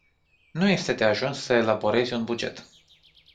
Nu este de ajuns să elaborezi un buget.